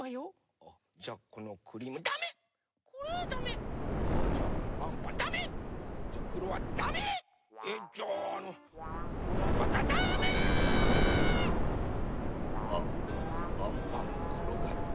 あっあんパンころがった。